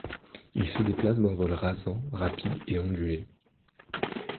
Il se déplace d'un vol rasant, rapide et ondulé.